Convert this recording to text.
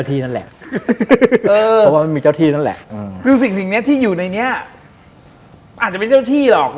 ที่อยู่ในนี้อาจจะเป็นเจ้าที่หรอก